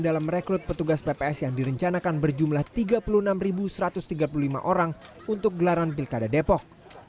dalam merekrut petugas pps yang direncanakan berjumlah tiga puluh enam satu ratus tiga puluh lima orang untuk gelaran pilkada depok